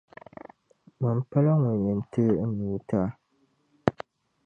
Mani pala ŋun yɛn teei n nuu ti a.